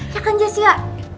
ya kan jessya